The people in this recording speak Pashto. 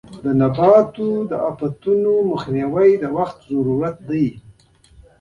د نباتو د آفتونو مخنیوی د وخت غوښتنه لري.